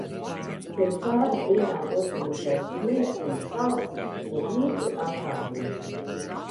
Pirms pāris dienām uzsnigušais sniegs un sals uz mirkli atkāpies.